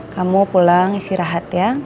kamu pulang isi rahat ya